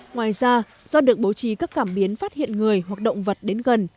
ngoài ra do được bố trí các cảm biến phát hiện người hoặc động vật đến gần